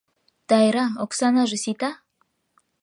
Тайра, оксанаже сита?